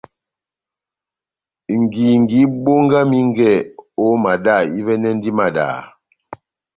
Ngingi ibongamingɛ ó madá, ivɛ́nɛndini madaha.